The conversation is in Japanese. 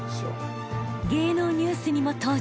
芸能ニュースにも登場。